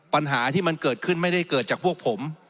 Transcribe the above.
ปัญหาที่มันเกิดขึ้นไม่ได้เกิดจากพวกผม